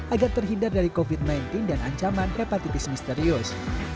agar terhindar dari covid sembilan belas dan ancaman hepatitis misterius